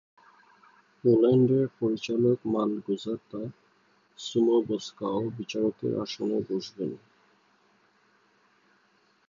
পোল্যান্ডের পরিচালক মালগোজাতা সুমোবসকাও বিচারকের আসনে বসবেন।